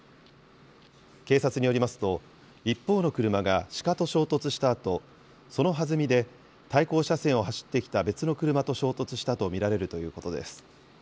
警察によりますと、一方の車がシカと衝突したあと、そのはずみで対向車線を走ってきた別の車と衝突したと見られるということです。